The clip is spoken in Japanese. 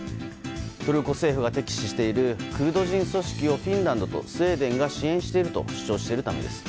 トルコ政府が敵視しているクルド人組織をフィンランドとスウェーデンが支援していると主張しているためです。